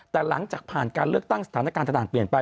แต่หลังจากผ่านการเลือกตั้งสถานการณ์ทหารเปลี่ยนไป